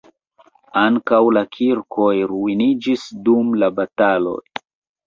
Ankaŭ la kirkoj ruiniĝis dum la bataloj.